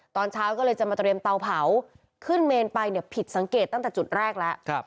ตอนเช้าก็เลยจะมาเตรียมเตาเผาขึ้นเมนไปเนี่ยผิดสังเกตตั้งแต่จุดแรกแล้ว